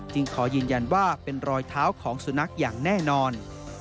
ขอยืนยันว่าเป็นรอยเท้าของสุนัขอย่างแน่นอน